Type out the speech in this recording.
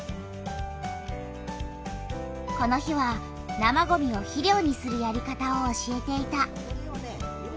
この日は生ごみを肥料にするやり方を教えていた。